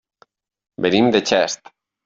Venim de Xest.